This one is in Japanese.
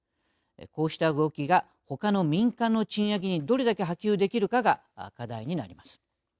こうした動きがほかの民間の賃上げにどれだけ波及できるかが課題になります。